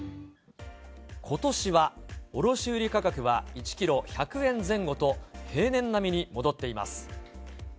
ことしは卸売り価格は１キロ１００円前後と平年並みに戻っています。